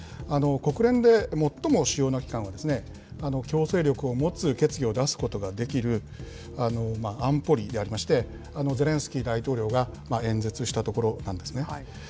国連で最も主要な機関は、強制力を持つ決議を出すことができる安保理でありまして、ゼレンスキー大統領が演説したところなんですね。